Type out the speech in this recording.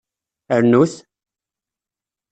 Rnut!